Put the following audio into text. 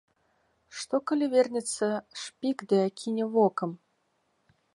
Што, калі вернецца шпік ды акіне вокам?